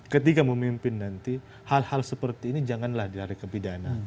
ketika memimpin nanti hal hal seperti ini janganlah dilari ke pidana